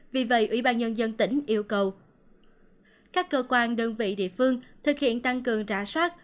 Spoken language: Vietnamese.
vì vậy ủy ban nhân dân tỉnh yêu cầu các cơ quan đơn vị địa phương thực hiện tăng cường trả soát